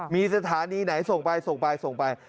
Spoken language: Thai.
มีสถานีไหนส่งไปส่งไปส่งไป